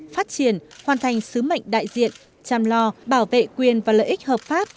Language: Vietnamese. phát triển hoàn thành sứ mệnh đại diện chăm lo bảo vệ quyền và lợi ích hợp pháp